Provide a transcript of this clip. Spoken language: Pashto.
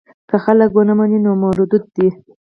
که خلک یې ونه مني نو مردود دی.